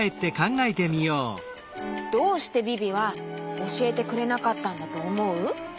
どうしてビビはおしえてくれなかったんだとおもう？